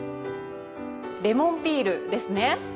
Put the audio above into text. レモンピールですね。